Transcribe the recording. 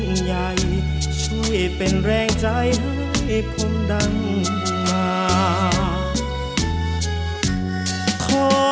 ยิ่งใหญ่ช่วยเป็นแรงใจให้ภูมิดังมาก